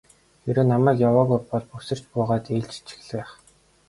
Хэрэв намайг яваагүй бол үсэрч буугаад ээлжилчих л байх.